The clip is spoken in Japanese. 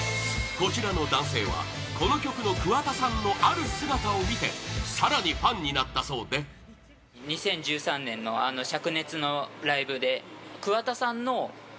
こちらの男性はこの曲の桑田さんのある姿を見て更にファンになったそうでそのギター演奏が、こちら！